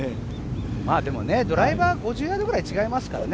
でも、ドライバー５０ヤードぐらい違いますからね。